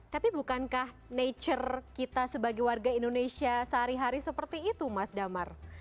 tapi bukankah nature kita sebagai warga indonesia sehari hari seperti itu mas damar